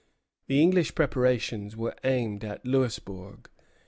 The English preparations were aimed at Louisbourg.